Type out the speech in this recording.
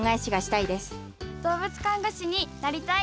動物看護師になりたい。